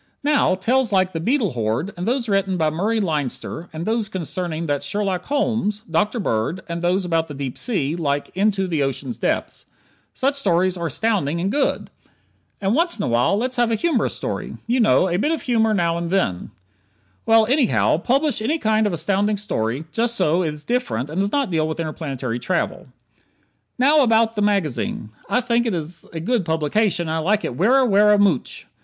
Now, tales like "The Beetle Horde," and those written by Murray Leinster, and those concerning that Sherlock Holmes, Dr. Bird, and those about the deep sea, like "Into the Ocean's Depths," such stories are astounding, and good. And once in a while let's have a humorous story. You know: "A bit of humor now and then " Well, anyhow, publish any kind of astounding story, just so it is different and does not deal with interplanetary travel. Now, about the magazine. I think it is a good publication and I like it werra, werra mooch.